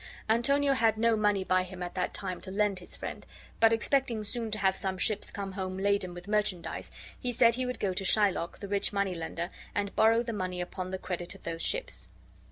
Antonio had no money by him at that time to lend his friend; but expecting soon to have. some ships come home laden with merchandise, he said he would go to Shylock, the rich moneylender, and borrow the money upon the credit of those ships.